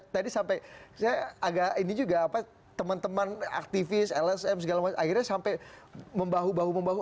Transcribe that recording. tadi sampai saya agak ini juga apa teman teman aktivis lsm segala macam akhirnya sampai membahu bahu membahu